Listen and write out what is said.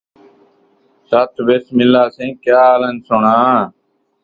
نوناری دے نوں گݙان٘ہہ ، کݙان٘ہہ سدا ݙو